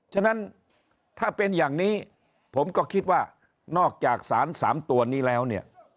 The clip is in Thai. ฉะนั้นถ้าเป็นอย่างนี้ผมก็คิดว่านอกจากสาร๓ตัวนี้แล้วเนี่ย